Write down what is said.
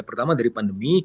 pertama dari pandemi